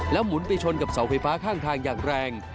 หมุนไปชนกับเสาไฟฟ้าข้างทางอย่างแรง